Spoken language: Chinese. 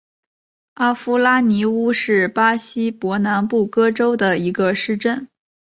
阿夫拉尼乌是巴西伯南布哥州的一个市镇。